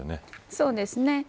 そうですね。